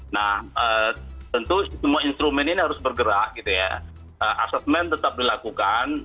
nah tentu semua instrumen ini harus bergerak gitu ya assessment tetap dilakukan